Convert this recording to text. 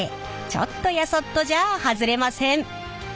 ちょっとやそっとじゃあ外れません。